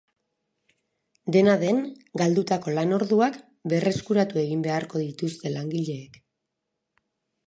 Dena den, galdutako lan orduak berreskuratu egin beharko dituzte langileek.